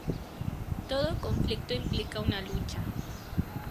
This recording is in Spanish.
Todo conflicto implica una lucha.